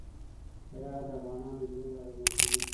هرات د افغانانو ژوند اغېزمن کوي.